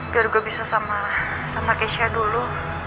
biar gue bisa sama keisha dulu